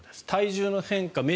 体重の変化